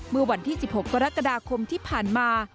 เมื่อวันที่๑๖กรกฎาคมที่ผ่านมา